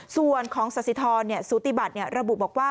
ส่วนของสสิทรสุติบัติระบุบอกว่า